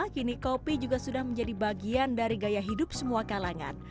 kini kopi juga sudah menjadi bagian dari gaya hidup semua kalangan